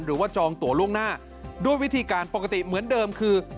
จองตัวล่วงหน้าด้วยวิธีการปกติเหมือนเดิมคือ